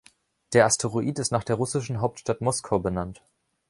Der Asteroid ist nach der russischen Hauptstadt Moskau benannt.